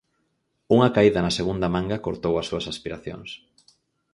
Unha caída na segunda manga cortou as súas aspiracións.